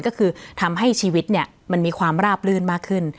ก็คือทำให้ชีวิตเนี่ยมันมีความราบลื่นมากขึ้น